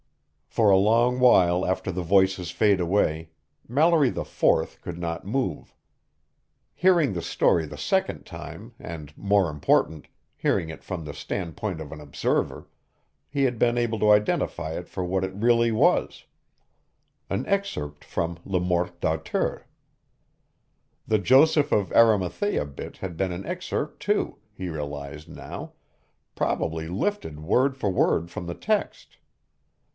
For a long while after the voices faded away, Mallory IV could not move. Hearing the story the second time and, more important, hearing it from the standpoint of an observer, he had been able to identify it for what it really was an excerpt from Le Morte d'Arthur. The Joseph of Arimathea bit had been an excerpt, too, he realized now, probably lifted word for word from the text.